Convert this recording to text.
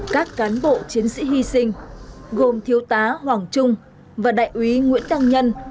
các cán bộ chiến sĩ hy sinh gồm thiếu tá hoàng trung và đại úy nguyễn tăng nhân